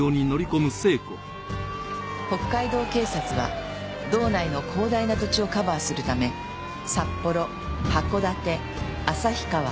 北海道警察は道内の広大な土地をカバーするため札幌函館旭川